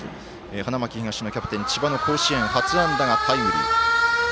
花巻東のキャプテン、千葉の甲子園初安打がタイムリー。